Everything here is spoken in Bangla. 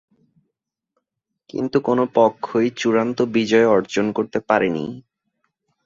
কিন্তু কোনো পক্ষই চূড়ান্ত বিজয় অর্জন করতে পারেনি।